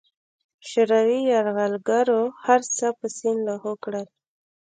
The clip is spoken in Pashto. شوروي یرغلګرو هرڅه په سیند لاهو کړل.